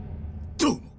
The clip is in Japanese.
どうも！